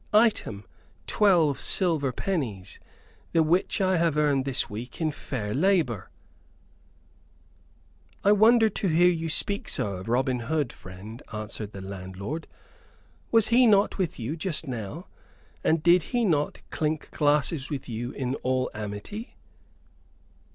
Item, twelve silver pennies, the which I have earned this week in fair labor " "I wonder to hear you speak so of Robin Hood, friend," answered the landlord. "Was he not with you just now? And did he not clink glasses with you in all amity?"